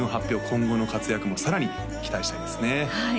今後の活躍もさらに期待したいですね